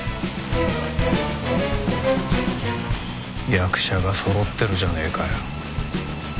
役者がそろってるじゃねえかよ。